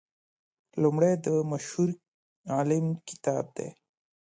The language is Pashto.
لومړی د مشهور عالم کتاب دی.